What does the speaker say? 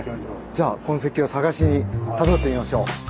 じゃあ痕跡を探しにたどってみましょう。